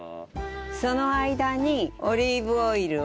その間にオリーブオイルを。